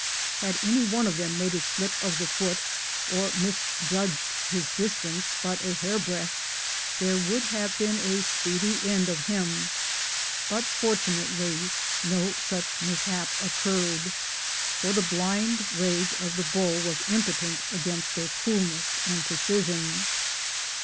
Had any of them made a slip of the foot, or misjudged his distance but a hairbreadth, there would have been a speedy end of him ; but fortunately no such mishap occurred, for the blind rage of the bull was impotent against their coolness and precision.